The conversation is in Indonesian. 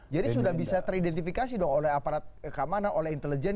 jadi sudah bisa teridentifikasi dong oleh aparat kemana oleh intelijen